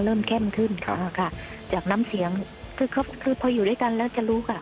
เริ่มแค่มขึ้นจากน้ำเสียงคือพออยู่ด้วยกันแล้วจะรู้ค่ะ